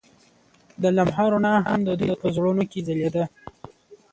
د لمحه رڼا هم د دوی په زړونو کې ځلېده.